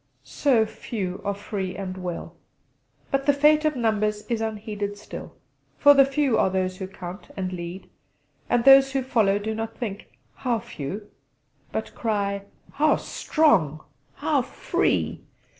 so few are free and well. But the fate of numbers is unheeded still; for the few are those who count, and lead; and those who follow do not think 'How few,' but cry 'How strong! How free!'